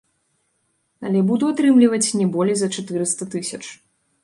Але буду атрымліваць не болей за чатырыста тысяч.